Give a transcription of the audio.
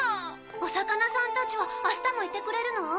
お魚さんたちは明日もいてくれるの？